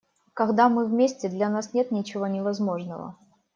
Когда мы вместе, для нас нет ничего невозможного.